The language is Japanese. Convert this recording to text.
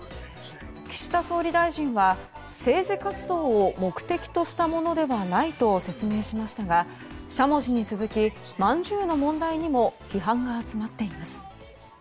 岸田総理大臣は政治活動を目的としたものではないと説明しましたが、しゃもじに続きまんじゅうの問題にも批判が集まっています。